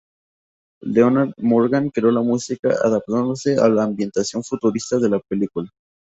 Leonard-Morgan creó la música adaptándose a la ambientación futurista de la película.